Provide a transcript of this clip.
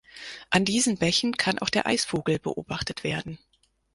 An diesen Bächen kann auch der Eisvogel beobachtet werden.